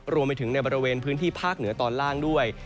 รวมไปถึงในบริเวณพื้นที่ภาคเหนือตอนล่างด้วย